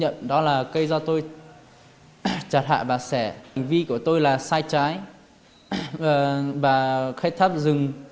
hành vi của tôi là sai trái và khách tháp rừng